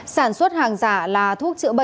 sản xuất hàng giả là thuốc chữa bệnh và mua